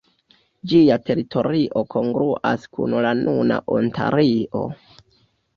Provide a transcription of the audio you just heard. Ĝia teritorio kongruas kun la nuna Ontario.